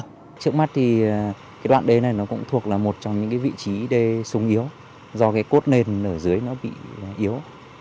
trước mắt thì cái đoạn đề này nó cũng thuộc là một trong những vị trí đề súng yếu do cái cốt nền ở dưới nó bị yếu